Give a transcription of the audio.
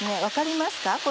分かりますか？